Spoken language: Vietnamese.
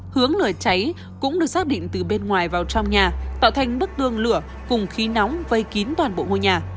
hướng lửa cháy cũng được xác định từ bên ngoài vào trong nhà tạo thành bức tường lửa cùng khí nóng vây kín toàn bộ ngôi nhà